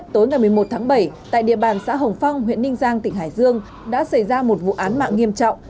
tối ngày một mươi một tháng bảy tại địa bàn xã hồng phong huyện ninh giang tỉnh hải dương đã xảy ra một vụ án mạng nghiêm trọng